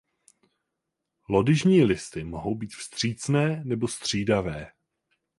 Lodyžní listy mohou být vstřícné nebo střídavé.